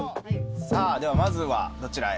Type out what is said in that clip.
さあではまずはどちらへ？